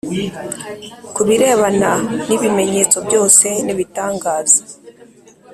ku birebana n’ibimenyetso byose n’ibitangaza